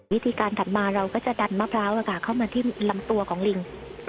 วิธีการถัดมาเราก็จะดันมะพร้าวเข้ามาที่ลำตัวของลิง